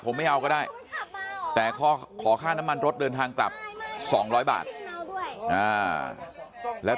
ผมไม่เอาก็ได้แต่ขอค่าน้ำมันรถเดินทางกลับ๒๐๐บาทแล้ว